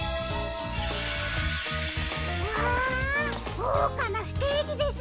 うわごうかなステージですね。